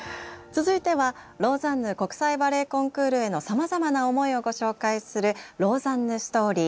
続いてはローザンヌ国際バレエコンクールへのさまざまな思いをご紹介する「ローザンヌ・ストーリー」。